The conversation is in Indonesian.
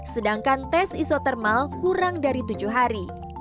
sedangkan tes isotermal kurang dari tujuh hari